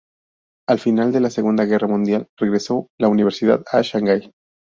Al final de la Segunda Guerra Mundial regresó la universidad a Shanghái.